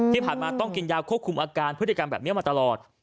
ที่ผ่านมาต้องกินยาควบคุมอาการพฤติกรรมแบบนี้มาตลอด